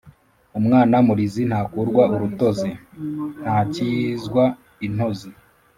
Umwana murizi ntakurwa urutozi (ntakizwa intozi).